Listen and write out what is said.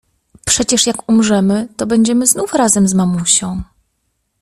"Przecież jak umrzemy, to będziemy znów razem z mamusią."